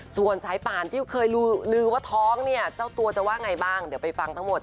ส่วนสายป่านที่เคยลือว่าท้องเนี่ยเจ้าตัวจะว่าไงบ้างเดี๋ยวไปฟังทั้งหมด